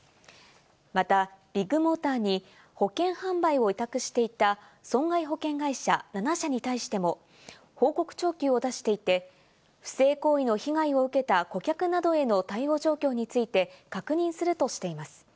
また、ビッグモーターに保険販売を委託していた損害保険会社７社に対しても、報告徴求を出していて、不正行為の被害を受けた顧客などへの対応状況について確認するとしています。